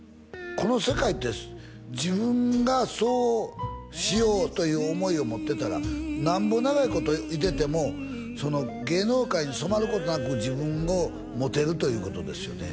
この世界って自分がそうしようという思いを持ってたらなんぼ長いこといててもその芸能界に染まることなく自分を持てるということですよね